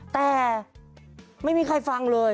แต่ไม่มีใครฟังเลย